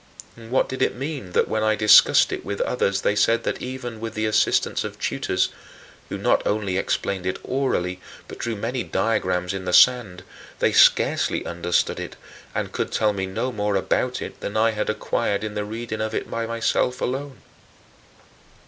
And what did it mean that when I discussed it with others they said that even with the assistance of tutors who not only explained it orally, but drew many diagrams in the sand they scarcely understood it and could tell me no more about it than I had acquired in the reading of it by myself alone?